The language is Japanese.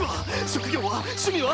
職業は？